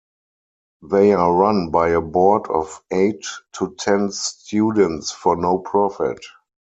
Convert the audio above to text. They are run by a board of eight to ten students for no profit.